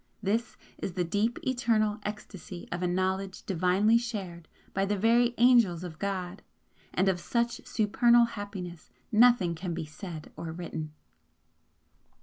This is the deep eternal ecstasy of a knowledge divinely shared by the very angels of God, and of such supernal happiness nothing can be said or written!